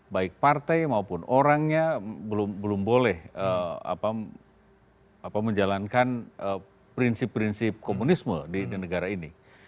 baik partai maupun orangnya belum boleh menjalankan prinsip prinsip komunisme di negara ini